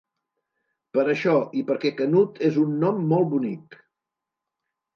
Per això i perquè Canut és un nom molt bonic.